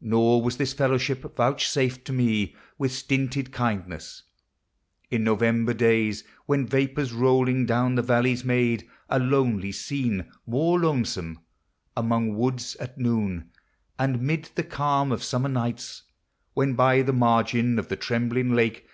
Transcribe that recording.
Nor was this fellowship vouchsafed to me With stinted kindness. In November days, When vapors rolling down the valleys made A lonely scene more lonesome; among woods At noon; and 'mid the calm of summer nights, When, by the margin of the trembling lake.